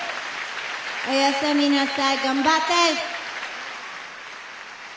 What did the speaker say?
おやすみなさいがんばって！